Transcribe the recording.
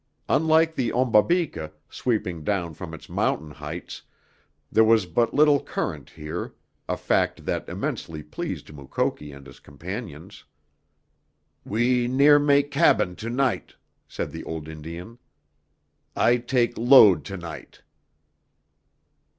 Unlike the Ombabika, sweeping down from its mountain heights, there was but little current here, a fact that immensely pleased Mukoki and his companions. "We near mak' cabin to night," said the old Indian. "I take load to night."